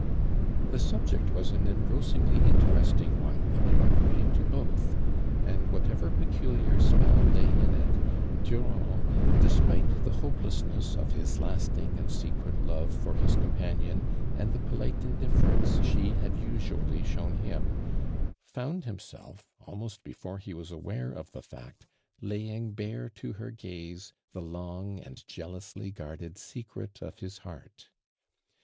The subject waa an engrossing! v interest ing one apparently to both, ana whatever peculiar spell lay in it, I)urand, tlosplte the hopelessness of his lasting ana secret love lor hia companion, and the polite indiffer ence she hud usually shown him, found liimself, almost before lie was aware of the I'act, laying bare to her gaze the long and jealously guarded secret of his heart.